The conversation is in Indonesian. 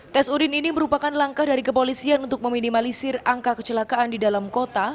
tes urin ini merupakan langkah dari kepolisian untuk meminimalisir angka kecelakaan di dalam kota